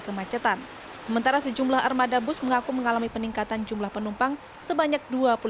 kemacetan sementara sejumlah armada bus mengaku mengalami peningkatan jumlah penumpang sebanyak